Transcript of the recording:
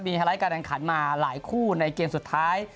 มีหลายการอันขันมาหลายคู่ในเกมสุดท้าย